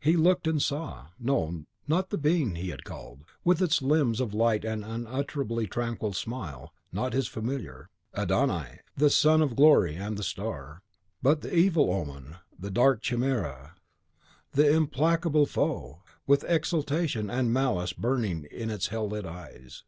He looked, and saw, no, not the being he had called, with its limbs of light and unutterably tranquil smile not his familiar, Adon Ai, the Son of Glory and the Star, but the Evil Omen, the dark Chimera, the implacable Foe, with exultation and malice burning in its hell lit eyes.